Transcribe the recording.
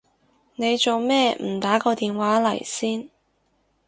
你做咩唔打個電話嚟先？